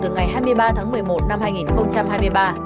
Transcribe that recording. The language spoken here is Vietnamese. ngày hai mươi ba tháng một mươi một năm hai nghìn hai mươi ba